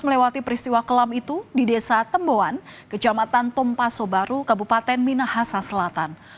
melewati peristiwa kelam itu di desa temboan kecamatan tumpaso baru kabupaten minahasa selatan